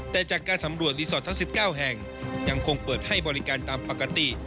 แต่จากการสำรวจรีสอร์ททั้ง๑๙แห่งยังคงเปิดให้บริการตามปกติ